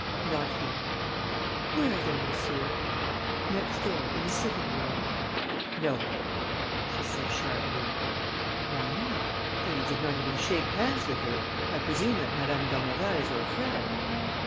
"Not here." "Where then, monsieur?" "Next door, in the sitting room." "No," she said, sharply. "Why not? Though you did not even shake hands with her, I presume that Madame d'Ormeval is your friend?"